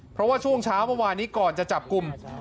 เพราะว่าช่วงเช้าเมื่อวานนี้ก่อนจะจับกลุ่ม